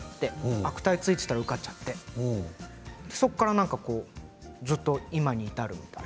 悪態をついていたら受かっちゃってそこから何かずっと今に至るみたいな。